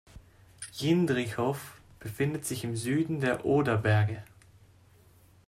Jindřichov befindet sich im Süden der Oderberge.